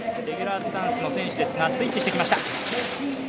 レギュラースタンスの選手ですがスイッチしてきました。